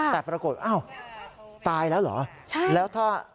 แต่ปรากฏอ้าวตายแล้วเหรอ